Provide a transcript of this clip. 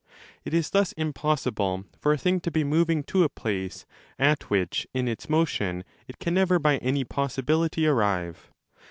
It is thus impossible for a thing to be moving to a place at which in its motion it can never by any possibility arrive.